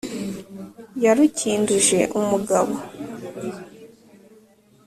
Yarukinduje umugabo